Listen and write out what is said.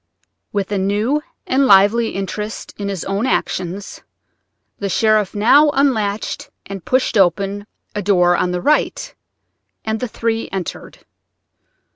With a new and lively interest in his own actions the sheriff now unlatched and pushed open a door on the right, and the three entered.